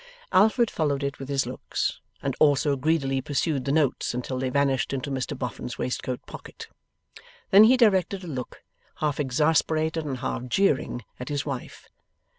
Alfred followed it with his looks, and also greedily pursued the notes until they vanished into Mr Boffin's waistcoat pocket. Then he directed a look, half exasperated and half jeering, at his wife.